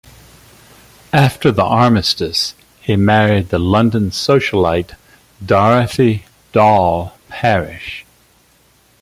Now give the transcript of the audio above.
After the Armistice, he married the London socialite Dorothy "Dol" Parish.